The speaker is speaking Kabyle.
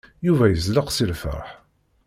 Yuba yezleq seg lfeṛḥ.